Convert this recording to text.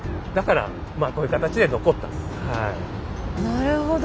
なるほど。